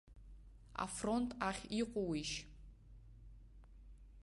Афронт ахь иҟоуишь?